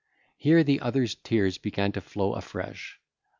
Here the other's tears began to flow afresh.